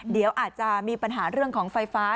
เดี๋ยวอาจจะมีปัญหาเรื่องของไฟฟ้า